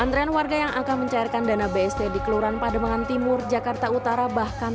antrean warga yang akan mencairkan dana bst di kelurahan pademangan timur jakarta utara bahkan